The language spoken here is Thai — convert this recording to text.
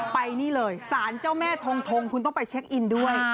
ไปนี่เลยสารเจ้าแม่ทงทงคุณต้องไปเช็คอินด้วย